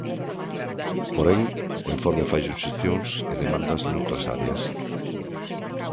Porén, o informe fai suxestións e demandas noutras áreas.